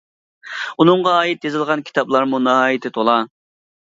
ئۇنىڭغا ئائىت يېزىلغان كىتابلارمۇ ناھايىتى تولا.